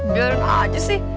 biar aja sih